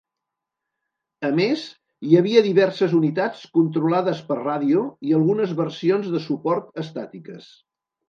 A més, hi havia diverses unitats controlades per ràdio i algunes versions de suport estàtiques.